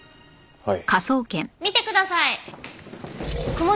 はい。